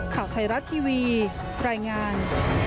ข่าวไทยรัฐทีวีรายงาน